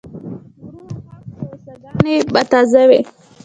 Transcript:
غرونه هسک و او ساګاني به تازه وې